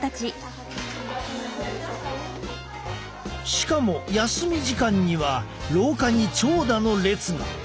しかも休み時間には廊下に長蛇の列が。